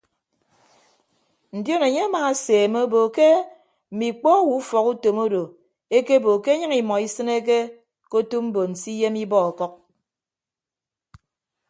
Ndion enye amaaseemme obo ke mme ikpọ owo ufọkutom odo ekebo ke enyịñ imọ isịneke ke otu mbon se iyem ibọ ọkʌk.